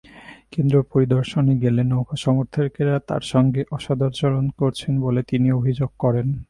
কেন্দ্র পরিদর্শনে গেলে নৌকা-সমর্থকেরা তাঁর সঙ্গে অসদাচরণ করেছেন বলে তিনি অভিযোগ করেন।